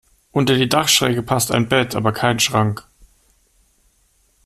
Unter die Dachschräge passt ein Bett, aber kein Schrank.